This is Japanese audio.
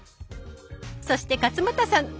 そして勝俣さん。